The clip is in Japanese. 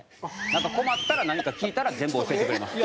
なんか困ったら何か聞いたら全部教えてくれます。